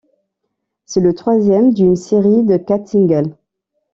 C'est le troisième d'une série de quatre singles.